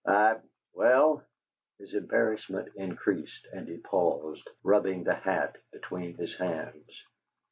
I well " His embarrassment increased and he paused, rubbing the hat between his hands.